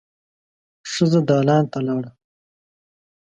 ښځه دالان ته لاړه.